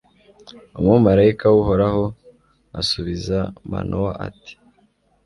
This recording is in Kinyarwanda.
umumalayika w'uhoraho asubiza manowa, ati